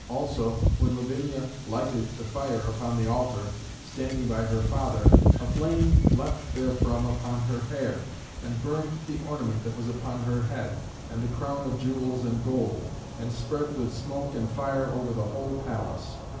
Also when Lavinia lighted the fire upon the altar, standing by her father, a flame leapt therefrom upon her hair, and burned the ornament that was upon her head and the crown of jewels and gold, and spread with smoke and fire over the whole palace.